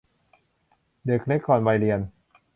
เด็กเล็กก่อนวัยเรียน